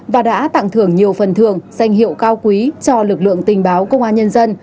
và đã tặng thưởng nhiều phần thường danh hiệu cao quý cho lực lượng tình báo công an nhân dân